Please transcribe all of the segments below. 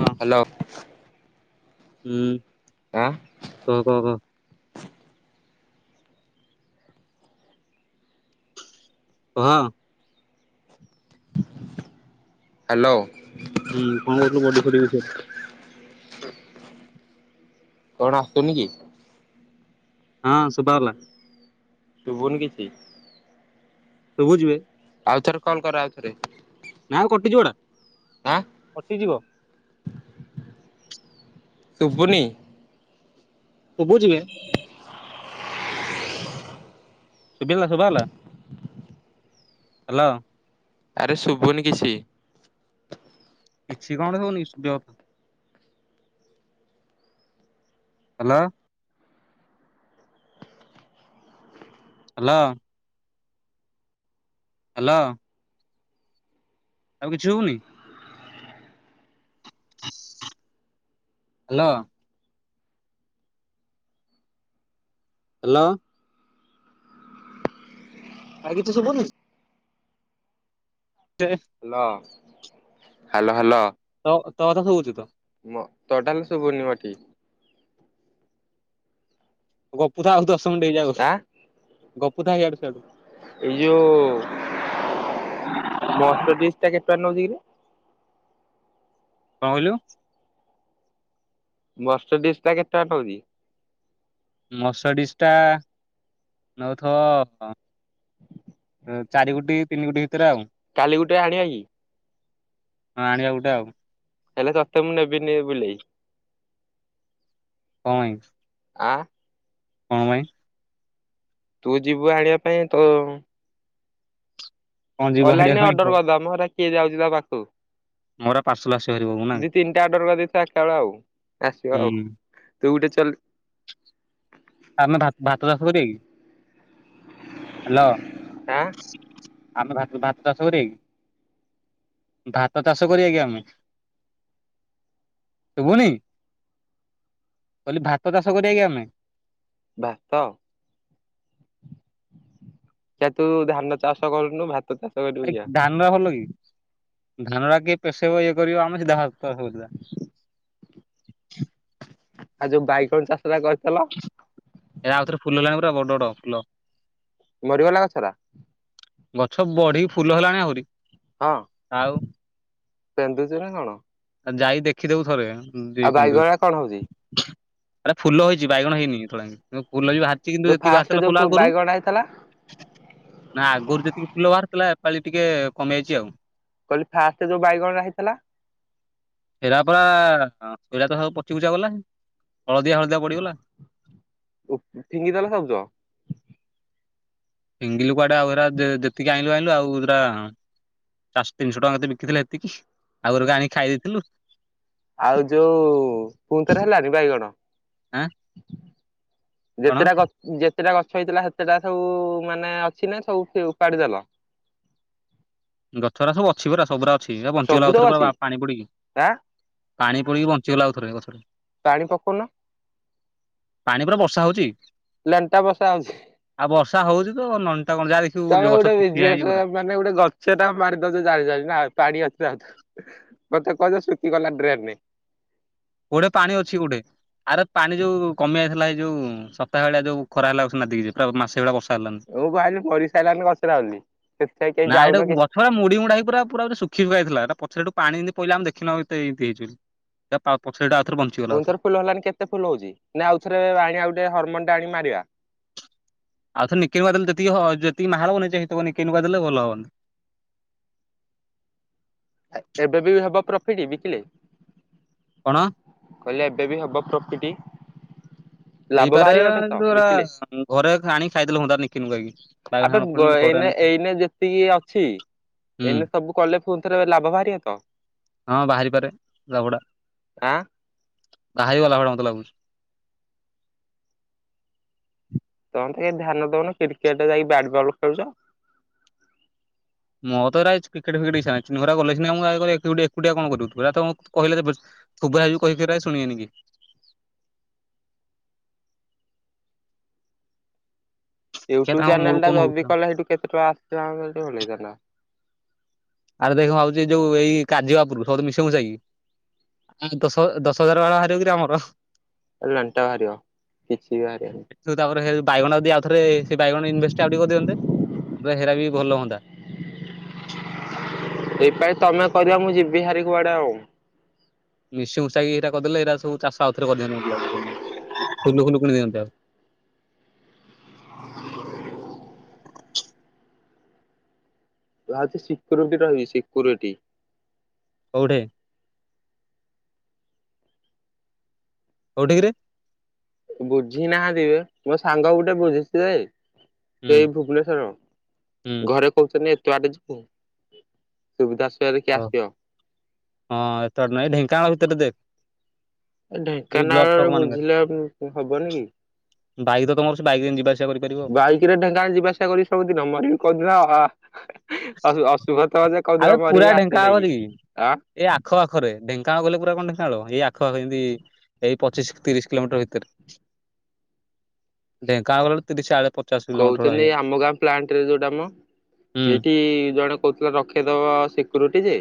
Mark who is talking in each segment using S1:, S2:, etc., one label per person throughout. S1: ହଁ
S2: ହ୍ୟାଲୋ।
S1: ହୁଁ।
S2: ଆଁ।
S1: କ କହ କ [unintelligible] ହହଁ
S2: ହ୍ୟାଲୋ।
S1: ହୁଁ କଣ କହୁଥିଲୁ ବଡି ଫଡିିବଛରେ
S2: କଣ ଆସୁନି କି?
S1: ହଁ ସୁୁଭାଗଲା।
S2: ଶୁଭୁନି କିଛି।
S1: ଶୁଭୁଚି ବେ।
S2: ଆଉ ଥରେ କଲ କର ଆଉ ଥରେ।
S1: ଆଉ କଟିଯିବ ଏଟା।
S2: ଆଁ
S1: କଟିଯିବ
S2: ଶୁଭୁନି।
S1: ସୁବୁଛି ବେ। ଶୁଭିଲା ହେଲା ଶୁଭହେଲା ହ୍ୟାଲୋ।
S2: ଆରେ ଶୁଭୁନି କିଛି।
S1: କିଛି କଣ ହଉନି ସୁଯ ହ୍ୟାଲୋ ହ୍ୟାଲୋ ହ୍ୟାଲୋ ଆଉ କିଛି ହଉନି। ହ୍ୟାଲୋ ହ୍ୟାଲୋ ଆଇ କିଛି ଶୁଭୁନି। ଦେ
S2: ହ୍ୟାଲୋ ହ୍ୟାଲୋ ହ୍ୟାଲୋ
S1: ତ ତ କଥା ଶୁଭୁଚି ତ।
S2: ମ ତୋ ଟା ଲ ଶୁଭୁନି ମତେ।
S1: ଗପୁଥା ଆଉ ଦଶ ମିନିଟ୍ ହେଇଯାଉ
S2: ଆଁ
S1: ଗପୁଥା ଇଆଡୁ ସିଆଡୁ।
S2: ଏଇ ଯୋଉ ମଟଡିସ୍ ଟା କେତେ ଟଙ୍କା ନଉଛି କି?
S1: କଣ କହିଲୁ?
S2: ମଟଡିସ୍ ଟା କେତେ ଟଙ୍କା ନଉଛି?
S1: ମଟଡିସ ଟା ନେଉଥବ ଚାରି କୋଟି ତିନି କୋଟି ଭିତରେ ଆଉ।
S2: କାଲି ଗୋଟେ ଆଣିବା କି?
S1: ହଁ ଆଣିବା ଗୋଟେ ଆଉ।
S2: ହେଲେ ତତେ ମୁଁ ନେବିନି ବୁଲେଇ।
S1: କଣ ପାଇଁ?
S2: ଆଁ
S1: କଣ ପାଇଁ?
S2: ତୁ ଯିବୁ ଆଣିବା ପାଇଁ ତ।
S1: କଣ ଯିବ ଆଣିବା
S2: ଅନଲାଇନ
S1: ପାଇଁ କହ
S2: ଅର୍ଡ଼ର କରିଦେବା ମ ହେରା କିଏ ଯାଉଛି ତା ପାଖକୁ।
S1: ମୋର ପାର୍ସଲ ଆସିବ ହାରି ଘରକୁ ନା
S2: ଦି ତିନିଟା ଅଡ଼ର କରିଦେଇଥିବା ଏକା ବେଳେ ଆଉ ଆସିବ ଆଉ
S1: ହୁଁ
S2: ତୁ ଗୋଟେ ଚଲ
S1: ଆମେ ଭାତ ଚାଷ କରିବାକି ହ୍ୟାଲୋ।
S2: ହାଁ
S1: ଆମେ ଭା ଭାତ ଚାଷ କରିବା କି? ଭାତ ଚାଷ କରିବା କି ଆମେ? ଶୁଭୁନି କହିଲି ଭାତ ଚାଷ କରିବା କି ଆମେ?
S2: ଭାତ? ଯେ ତୁ ଧାନ ଚାଷ କରୁନୁ ଭାତ ଚାଷ କରିବୁ
S1: ଆରେ
S2: କିଆ
S1: ଧାନ ଟା ଭଲ କି ଧାନ ଟା କିଏ ପେଶେଇବ ଇଏ କରିବ ଆମେ ସିଧା ଭାତ ଚାଷ କରି
S2: ଆଉ ଯୋଉ ବାଇଗଣ ଚାଷଟା କରିଥିଲ?
S1: ଏରା ଆଉଥରେ ଫୁଲ ହେଲାଣି ପୁରା ବଡ ବଡ଼ ଫୁଲ।
S2: ମରିଗଲା ଗଛଗୁରା?
S1: ଗଛ ବଢିକି ଫୁଲ ହେଲାଣି ଆହୁରି ଆଉ।
S2: ପିନ୍ଦୁଛୁ ନା କଣ?
S1: ଯାଇ ଦେଖିଦେବୁ ଥରେ ଉଁ
S2: ଆଉ
S1: ଦିଇ କେନ୍ଦୁ
S2: ବାଇଗଣ କଣ ହଉଛି
S1: ଆରେ ଫୁଲ ହେଇଚି ବାଇଗଣ ହେଇନି ଏତୋଳା ଫୁଲ ବି ବାହାରିଚି କିନ୍ତୁ
S2: ଯୋଉ
S1: ଯେତିକି
S2: ଫାଷ୍ଟ
S1: ବାହାରଥିଲା ଫୁଲ
S2: ଯୋଉ
S1: ଆଗରୁ।
S2: ବାଇଗଣ ହେଇଥିଲା
S1: ନା ଆଗରୁ ଯେତିକି ଫୁଲ ବାହାରିଥିଲା ଏ ପାଳି ଟିକେ କମିଯାଇଛି ଆଉ।
S2: କହିଲି ଫାଷ୍ଟେ ଯୋଉ ବାଇଗଣ ଗୁରା ହେଇଥିଲା।
S1: ହେରା ପୁରା ହଁ ହେରା ତ ସବୁ ପଚି ପୁଚା ଗଲା ହଳଦିଆ ହଳଦିଆ ପଡିଗଲା।
S2: ଫିଙ୍ଗିଦେଲେ ସବୁତକ?
S1: ଫିଙ୍ଗିଲୁ କୁଆଡେ ଆଉ ହେରା ଯେତିକି ଆଇଁଲୁ ଆଇଁଲୁ ଆଉ ଯୋରା ଚାରିଶ ତିନିଶହ ଟଙ୍କା ଯାତେ ବିକିଥିଲେ ଏତିକି ଆଉ ଘରୁକୁ ଆଣିକି ଖାଇ ଦେଇେଥିଲୁ।
S2: ଆଉ ଯୋଉ ପୁଣିଥରେ ହେଲାଣି ବାଇଗଣ?
S1: ଆଁ କଣ
S2: ଯେତେଟା ଗ ଯେତେଟା ଗଛ ହେଇଥିଲା ସେତେଟା ସବୁ ମାନେ ଅଛି ନା ସବୁ କିଏ ଉପାଡି ଦେଲ।
S1: ଗଛଗୁରା ସବୁ ଅଛି ପୁରା ସବୁରା ଅଛି
S2: ସବୁ
S1: ବଞ୍ଚିଗଲା
S2: ତ
S1: ଆଉରେ
S2: ଅଛି
S1: ପୁରା ପାଣି ପଡିକି।
S2: ଆଁ
S1: ପାଣି ପଡିକି ବଞ୍ଚିଗଲା ଆଉ ଥରେ ଗଛଗୁରା।
S2: ପାଣି ପକୋଉନୁ?
S1: ପାଣି ପରା ବର୍ଷା ହୋଉଚି।
S2: ଲେଣ୍ଟା ବସା ହଉଛି
S1: ଆଉ ବର୍ଷା ହୋଉଚି ତ ନଣ୍ଟା କଣ ଯାହା ଦେଖିବୁ
S2: ତମେ ଗୋଟେ
S1: ଗଛ ଠୀ ଠିଆ
S2: ବିଜନେସ
S1: ହେଇଚି ପୂରା।
S2: ମାନେ ଗୋଟେ ଗଛ ଟା ମାରିଦେଉଛୁ ଜାଣି ଜାଣି ନା ପାଣି ଆସିବ ଆଉ ଥରେ। କହତାକୁ କହିଦେ ଶୁଖିଗଲା ଡ୍ରେନେ।
S1: ଗୁଡେ଼ ପାଣି ଅଛି ଗୁଡେ଼। ଆରେ ପାଣି ଯୋଉ କମି ଜାଇଥିଲା ଏଇ ଯୋଉ ସପ୍ତାଏଭଳିଆ ଯୋଉ ଖରା ହେଲା ଉସ୍ ନାଦିକିଯେ ମାସେ ଭଳିଆ ବର୍ଷା ହେଲାନି।
S2: ମୁଁ କହିଲି ପରିସାରିଲାନ କଣ ନଥିଲା ବୋଲି ସେଥିପାଇଁ କେହି ଯାଉନ କିଛି
S1: ପୁରା ମୁଡି ମୁଡା ହେଇକି ପୁରା ପୁରା ଗୁରେ ଶୁଖି ଶୁଖା ଯାଇଥିଲା ପଚରେ ହେଟୁ ପାଣିି ଜେମିତି ପହିଲ ଆମେ ଦେଖିନୋଉ ଏତେ ଏମିତି ହେଇଚି ବୋଲି। ଆଉ ପଛରେ ଆଉ ଥରେ ବୋ
S2: ପୁଣି ଥରେ ଫୁଲ ହେଲାଣି କେତେ ଫୁଲ ହୋଉଚି ନା ଆଉ ଥରେ ଆଣି ଆ ଗୋଟେ ହରମୋନ ଟା ଆଣି ମାରିବା?
S1: ଆଉଥରେ ନିକେଇ ବା ଦେଲେ ଯେତିକି ଯେତିକି ମାହାର ହନି ସେ ନିକେନଙ୍କ ଦେଲେ ଭଲ ହବନ
S2: ଆ ଏବେ ବି ହବ ପ୍ରଫିଟ ବିକିଲେ
S1: କଣ?
S2: କହିଲେ ଏବେ ବି ହବ ପ୍ରପଟି
S1: ହେଇପାରେନ୍ତୁ ଆ ଘରେ ଆଣି ଖାଇଦେଲେ ହୁଅନ୍ତା ନିକିନି କାଇକି
S2: ଆବେ ଏଇନେ ଏଇନେ ଯେତିକି ଅଛି
S1: ହୁଁ
S2: ଏଇନେ ସବୁ କଲେ ପୁଣି ଥରେ ଲାଭ ବାହାରିବ ତ?
S1: ହଁ ବାହାରି ପାରେ ଝଗଡା।
S2: ଆଁ
S1: ବାହାରି ଗଲା ଭଳିଆ ମତେ ଲାଗୁଛି।
S2: ତମେ ତ କାଇଁ ଧ୍ୟାନ ଦଉନ କ୍ରିକେଟ୍ ଯାଇକି ବ୍ୟାଟ୍ ବଲ୍ ଖେଳୁଛ।
S1: ମୋ ଦ୍ଵାରା ଏ କ୍ରିକେଟ ଫ୍ରିକେଟ ଇଛା ନାହିଁ ଛୁଆଗୁରା ଗଲେ ସିନା ମୁଁ ଏକୁଟିଆ ଏକୁଟିଆ କଣ କରିବୁ ତୁ ବାପା ବୋଉ କହିଲେ ଯେ ବେ ଥୋବରା ହେଇଯିବୁ କହି କହିିକା ଶୁଣିବେନି କେହି। ଦେଖିଆ
S2: ୟୁଟୁବ
S1: ତାଙ୍କ
S2: ଚ୍ୟାନେଲ୍
S1: ମୁଡ୍
S2: ଟା
S1: କଣ ହଉଚି
S2: ଯଦି
S1: ଆଉ।
S2: କଲେ ସେଠୁ କେତେ ଟଙ୍କା ଆସିଥିଲା [unintelligible]
S1: ଆରେ ଦେଖାଉଚି ଯୋଉ ଏଇ କାଜି ବାପରୁ ସୁ ମିଶିମୁଶା କି? ଆ ଦଶ ଦଶ ହଜାର ବାେଳ ବାହାରିବ କି ଆମର ! ! ! ! ! ! ! ! ! !
S2: କିଛି ବାହାରିବନି।
S1: ସେ ତାପରେ ହେଲେ ବାଇଗଣ ଯିଦି ଆଉ ଥରେ ସେ ବାଇଗଣ ଇନଭେଷ୍ଟ୍ ଆଉ ଟିକେ କରିଦିଅନ୍ତେ ଆବେ ହେରା ବି ଭଲ ହୁଅନ୍ତା।
S2: ଏଇ ପାଇ ତମେ କରିବା ମୁଁ ଯିବି ହାରି କୁଆଡେ ଆଉ
S1: ମିଶି ମୁସାଇକ ଏଇଟା କରିଦଲେ ଏଇଟା ସବୁ ଚାଷ ଆଉଥରେ କରିିଦିଅନ୍ତି ମତେ ଲାଗୁଚି ଫୁଲ ଫୁଲୁ କିଣି ଦଅନ୍ତି ଆଉ
S2: ୱଚ୍ ଶିକୋରୋଟି ରହିଛି ଶିକୋରୋଟି।
S1: କୋଉଠି? କୋଉଠି କିରେ?
S2: ବୁଝି ନାହାନ୍ତିି ବେ ମୋ ସାଙ୍ଗ ଗୋଟେ ବୁଝିଚି ଯେ
S1: ହୁଁ
S2: ଏଇ ଭୁବନେଶ୍ଵର
S1: ହୁଁ
S2: ଘରେ କହୁଚନ୍ତି ଏତେ ବାଟ ଯିବୁ? ସୁବିଧା ଅସୁବିଧାରେ କିଏ
S1: ହଉ।
S2: ଆସିବ?
S1: ହଁ ଏତେ ବାଟ ନାଇଁ ଢେଙ୍କାନାଳ ଭିତରେ ଦେଖ୍।
S2: ଢେଙ୍କାନାଳରେ
S1: ମାନଙ୍କରେ
S2: ବୁଝିଲେ ହବନି କି।
S1: ବାଇକ୍ ତ ତମର ଅଛି, ସେ ବାଇକ୍ ରେ ଯିବା ଆସିବା କରିପାରିବ।
S2: ବାଇକ୍ ରେ ଢେଙ୍କାନାଳ ଯିବା ଆସିବା କରିବି ସବୁଦିନ। ମରିବି କୋଉଦିନ। ଅଶୁଭ ତ ଯେ
S1: ଆବେ
S2: କୋଉଦିନ
S1: ପୁରା
S2: ମରିବି ଆକ୍ସିଡେଣ୍ଟ
S1: ଢେଙ୍କାନାଳ
S2: ହେଇକି।
S1: କତିକି
S2: ଆଁ
S1: ଏଇ ଆଖପାଖରେ ଢେଙ୍କାନାଳ ଗଲେ ପୁରା କଣ ଢେଙ୍କାନାଳ ଏଇ ଆଖପଖ ଯେମିତି ଏଇ ପଚିଶି ତିରିଶି କିଲୋମିଟର ଭିତରେ ଢେଙ୍କାନାଳ ଗଲେ ତିରିଶି ଚାଳିଶି
S2: କହୁଚନ୍ତି ଆମ ଗାଁ ପ୍ଲାଣ୍ଟରେ ଯୋଉଟା ମ
S1: ହୁଁ
S2: ଏଇଠି ଜଣେ କହୁଥିଲା ରଖେଇଦବ ସିକ୍ୟୁରିଟି ଯେ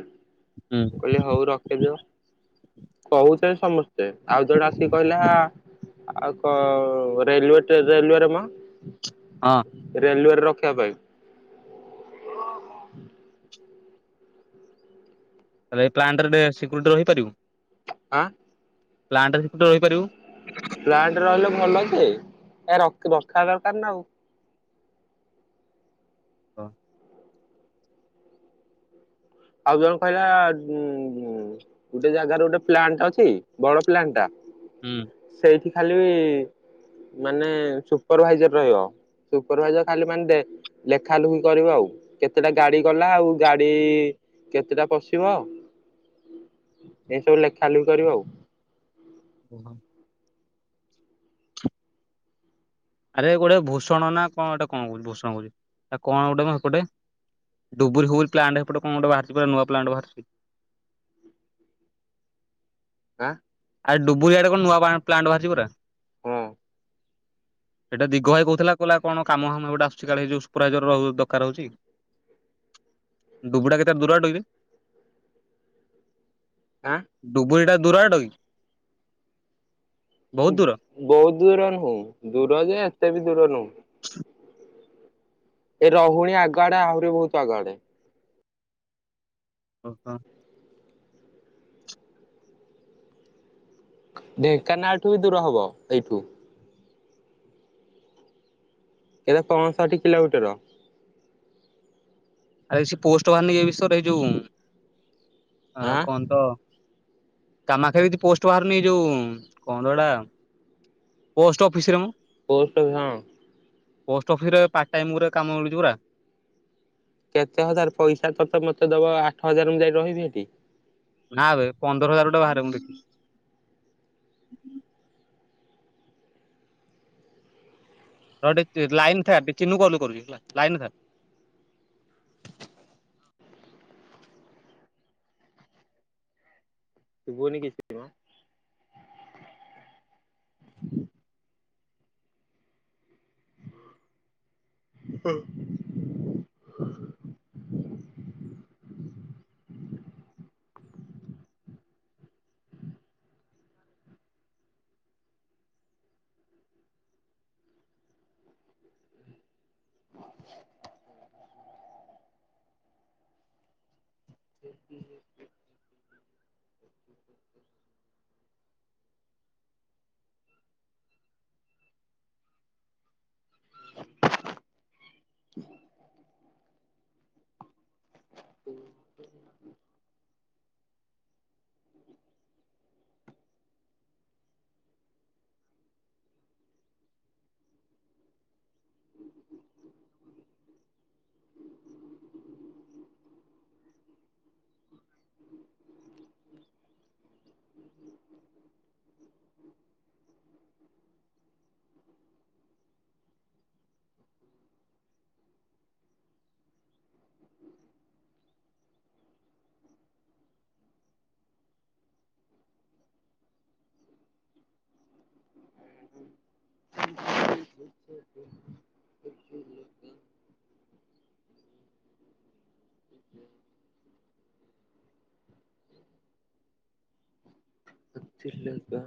S1: ହୁଁ
S2: ମୁଁ କହିଲି ହୋଉ ରଖେଇଦିଅ। କହୁଚନ୍ତି ସମସ୍ତେ ଆଉ ଜଣେ ଆସିକି କହିଲା ଆଉ କଅ ରେଲୁୱେ ଟେ ରେଲୁୱଏ ରେ ମ
S1: ହଁ।
S2: ରେଲୁୱେଏରେ ରଖିବା ପାଇଁ।
S1: ତାହେଲେ ଏ ପ୍ଲାଟେରେ ସିକ୍ୟୁରିଟି ରହିପାରିବୁ?
S2: ଆଁ
S1: ପ୍ଲାଟ୍ରେ ସିକ୍ୟୁରିଟି ରହିପାରିବୁକି?
S2: ପ୍ଲାଣ୍ଟରେ ରହିଲେ ଭଲ ଜେ କାହିଁ ରଖ ରଖିବା ଦରକାରେ ନା ଆଉ।
S1: ହଁ।
S2: ଆଉ ଜଣେ କହିଲା ଉଁ ଉଁ ଗୋଟେ ଜାଗାରେ ଗୋଟେ ପ୍ଲାନ୍ଟ ଅଛି ବଡ଼ ପ୍ଲାନ୍ଟଟା।
S1: ହୁଁ।
S2: ସେଇଠି ଖାଲି ମାନେ ସୁପରଭାଇଜର୍ ରହିବ। ସୁପର ଭାଇଜର ଖାଲି ମାନେ ଦେ ଲେଖା ଲୁଖି କରିବ ଆଉ। କେତେଟା ଗାଡି ଗଲା ଆଉ ଗାଡି କେତେଟା ପଶିବ ଏସବୁ ଲେଖା ଲୁଖି କରିବ ଆଉ।
S1: [inaudible] ଆରେ ଗୋଟେ ଭୂଷଣ ନା କଣ ଗଟେ କଣ କହୁଛି ଭୂଷଣ କହୁଛି ଆ କଣ ଗୋଟେ ଗୋଟେ ଡବଲ ହୁଗୁଲ ପ୍ଲାଣ୍ଟ ଏପଟ କଣ ଗୋଟେ ବାହାରଛି ପୁରା ନୂଆ ପ୍ଲାଣ୍ଟ ବାହାରଛି।
S2: ଆଁ
S1: ଆ ଡୁବୁଆଡ ର କଣ ନୂଆ ପ୍ଲାଣ୍ଟ ବାହାରିଛି ପରା।
S2: ହଁ
S1: ଏଇଟା ଦିଗ ଭାଇ କହୁଥିଲା କହିଲ କଣ କାମ ହାମ ଏଗୁଡା ଆସଛି କାଳେ ଯଉ ସୁପରାଇଜର ଦରକାର ହଉଛି। ଡୁବୁଡା କେତେଳେ ଦୂର ଡୋଇବେ
S2: ଆଁ
S1: ଡୁବରି ଟା ଦୁରବାଟ କି। ବହୁତ ଦୂର।
S2: ବହୁତ ଦୂର ନୁହଁ ଦୂର ଯେ ଏତେ ବି ଦୂର ନୁଁହ।
S1: [inaudible]
S2: ଏ ରହୁଣୀ ଆଗ ଆଡେ ଆହୁରି ବହୁତ ଆଗଆଡେ।
S1: ଓହ
S2: ଢେଙ୍କାନାଳଠୁ ବି ଦୂର ହବ ଏଇଠୁ। ଏତ ପଞ୍ଚଷଠି କିଲୋମିଟର।
S1: ଆ କି ପୋଷ୍ଟ ବାହରିନି କି ଏ ବିଷୟରେ ଇଯୋଉ ଆ
S2: ଆଁ
S1: କଣ ତ କାମଖ୍ୟା ରେ କିଛି ପୋଷ୍ଟ ବାହାରୁନି ଯୋଉ କଣ ଦଟା ପୋଷ୍ଟ ଅଫିସରେ ମ।
S2: ପୋଷ୍ଟ ଆଫି ହଁ।
S1: ପୋଷ୍ଟ ଅଫିସ ରେ ପାର୍ଟ ଟାଇମ ରେ କାମ ମିଳୁଛି ପୁରା।
S2: କେତେ ହଜାର ପଇସା ତତେ ମତେ ଦବ ଆଠ ହଜାର ମୁଁ ଯାଇ ରହିବି ସେଠି।
S1: ନା ଏବେ ପନ୍ଦର ହଜାର ଟଙ୍କା ବାହାରେ ମୁଁ ଦେଖି ଲାଇନ୍ କାଟ ଚିନୁ କଲ କରୁଛି ହେଲା ଲାଇନ୍ କାଟ
S2: ଶୁଭୁନି କିଛି। [inaudible] [inaudible] [inaudible]
S1: [inaudible] [inaudible] [inaudible]
S2: [inaudible]